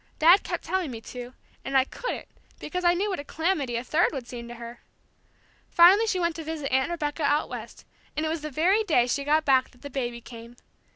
Dad kept telling me to, and I couldn't, because I knew what a calamity a third would seem to her! Finally she went to visit Aunt Rebecca out West, and it was the very day she got back that the baby came.